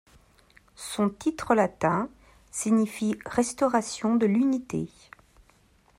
Son titre latin signifie Restauration de l'unité.